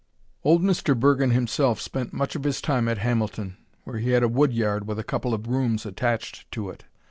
Old Mr. Bergen himself spent much of his time at Hamilton, where he had a woodyard with a couple of rooms attached to it.